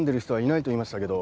いないと言いましたけど。